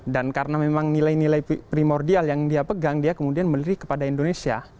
dan karena memang nilai nilai primordial yang dia pegang dia kemudian memberi kepada indonesia